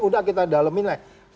sudah kita dalemin